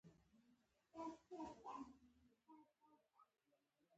ایس میکس